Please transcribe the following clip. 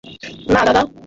না, দাদা।